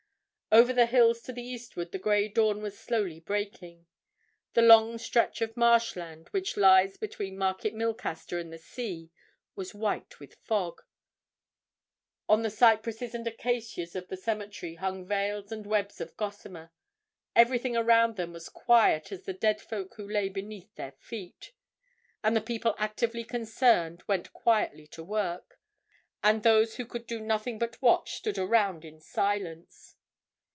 Over the hills to the eastward the grey dawn was slowly breaking: the long stretch of marshland which lies between Market Milcaster and the sea was white with fog: on the cypresses and acacias of the cemetery hung veils and webs of gossamer: everything around them was quiet as the dead folk who lay beneath their feet. And the people actively concerned went quietly to work, and those who could do nothing but watch stood around in silence.